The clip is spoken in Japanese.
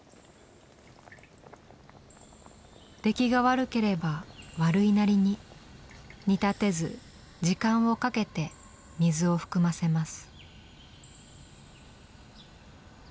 出来が悪ければ悪いなりに煮立てず時間をかけて水を含ませます。